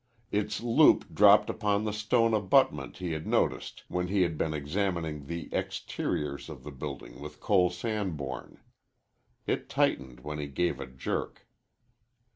Its loop dropped upon the stone abutment he had noticed when he had been examining the exteriors of the buildings with Cole Sanborn. It tightened when he gave a jerk.